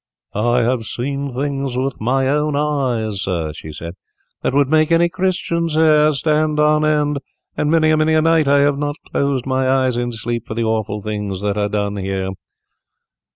"I have seen things with my own eyes, sir," she said, "that would make any Christian's hair stand on end, and many and many a night I have not closed my eyes in sleep for the awful things that are done here."